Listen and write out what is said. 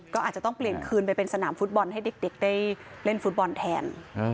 ก็อาจจะต้องเปลี่ยนคืนไปเป็นสนามฟุตบอลให้เด็กได้เล่นฟุตบอลแทน